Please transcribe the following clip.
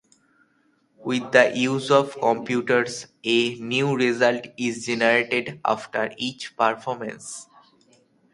With the use of computers, a new result is generated after each performance.